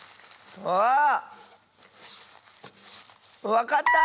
わかった！